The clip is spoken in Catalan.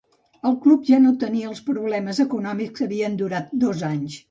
El club ja no tenia els problemes econòmics que havien durat dos anys.